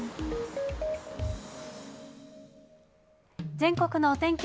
全国のお天気